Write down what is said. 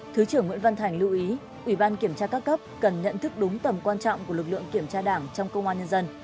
thứ trưởng nguyễn văn thành lưu ý ủy ban kiểm tra các cấp cần nhận thức đúng tầm quan trọng của lực lượng kiểm tra đảng trong công an nhân dân